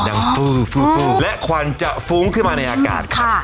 อย่างฟื้อฟื้อฟื้อและควันจะฟู้งขึ้นมาในอากาศค่ะ